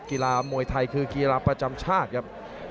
กีฬามวยไทยคือกีฬาประจำชาติครับ